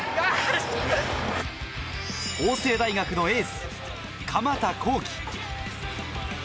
法政大学のエース、鎌田航生。